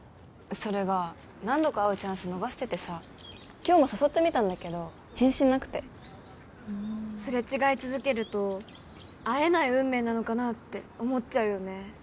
それが何度か会うチャンス逃しててさ今日も誘ってみたんだけど返信なくてすれ違い続けると会えない運命なのかなーって思っちゃうよね